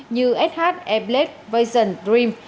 như sh airblade vision dream